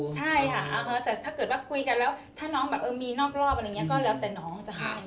ใช่ค่ะแต่ถ้าเกิดว่าคุยกันแล้วถ้าน้องแบบเออมีนอกรอบอะไรอย่างนี้ก็แล้วแต่น้องจะให้